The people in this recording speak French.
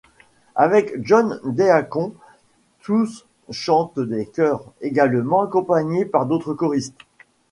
Avec John Deacon, tous chantent les chœurs, également accompagnés par d'autres choristes.